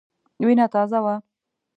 وینه تازه وه.